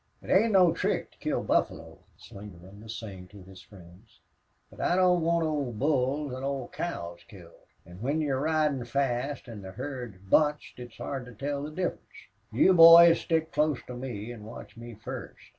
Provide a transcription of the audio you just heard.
"It ain't no trick to kill buffalo," Slingerland was saying to his friends. "But I don't want old bulls an' old cows killed. An' when you're ridin' fast an' the herd is bunched it's hard to tell the difference. You boys stick close to me an' watch me first.